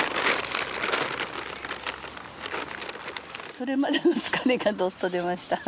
それまでの疲れがどっと出ました。